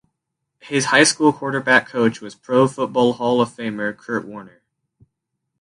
His high school quarterback coach was Pro Football Hall of Famer Kurt Warner.